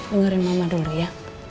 udah ngerin mama dulu ya